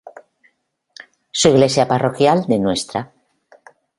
Su Iglesia parroquial de Ntra.